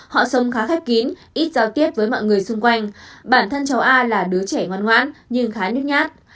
họ sống khá khép kín ít giao tiếp với mọi người xung quanh bản thân cháu a là đứa trẻ ngoan ngoãn nhưng khá nước nhát